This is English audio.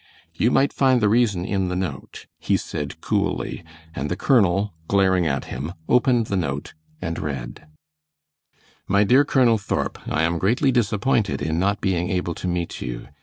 "You might find the reason in the note," he said, coolly, and the colonel, glaring at him, opened the note and read: "MY DEAR COLONEL THORP: I am greatly disappointed in not being able to meet you.